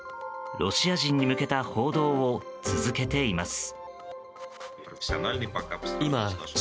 ロシア人に向けた報道を続けています。